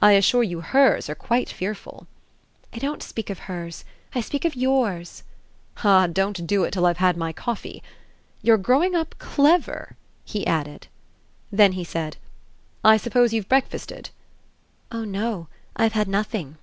"I assure you hers are quite fearful!" "I don't speak of hers. I speak of yours." "Ah don't do it till I've had my coffee! You're growing up clever," he added. Then he said: "I suppose you've breakfasted?" "Oh no I've had nothing."